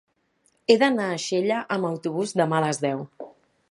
He d'anar a Xella amb autobús demà a les deu.